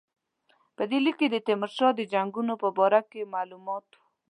په لیک کې د تیمورشاه د جنګونو په باره کې معلومات وو.